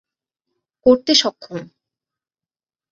করতে সক্ষম।